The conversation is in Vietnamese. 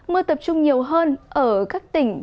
mưa tập trung nhiều hơn ở các tỉnh